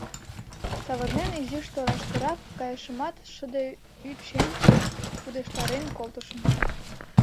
Савырнен, изиш торашкырак кайышымат, шыде ӱчем пудештарен колтышым: